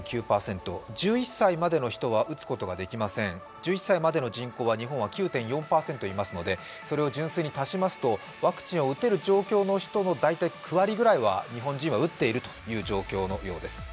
１１歳までの人口は日本は９．４％いますので、それを純粋に足しますと、ワクチンを打てる状況の人の大体９割くらいは日本人は打っているという状況のようです。